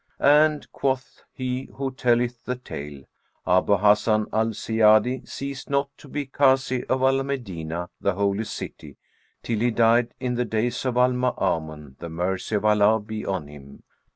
"And" (quoth he who telleth the tale) "Abu Hassan al Ziyadi ceased not to be Kazi of Al Medinah, the Holy City, till he died in the days of Al Maamun the mercy of Allah be on him!"